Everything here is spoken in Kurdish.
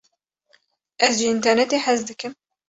Ez ji înternetê hez dikim.